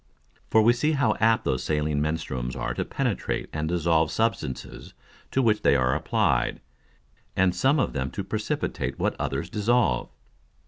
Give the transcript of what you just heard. For we see how apt those saline Menstruums are to penetrate and dissolve Substances to which they are applied, and some of them to precipitate what others dissolve.